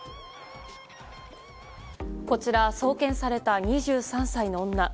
こちら、送検された２３歳の女。